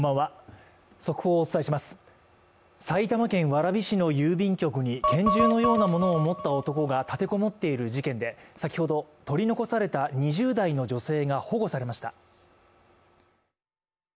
埼玉県蕨市の郵便局に拳銃のようなものを持った男が立てこもっている事件で、先ほど、取り残された２０代の女性が保護されました。